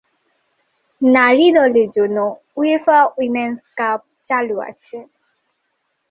নারী দলের জন্য উয়েফা উইমেন’স কাপ চালু আছে।